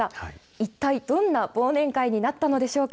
いったいどんな忘年会になったのでしょうか。